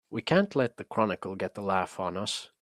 We can't let the Chronicle get the laugh on us!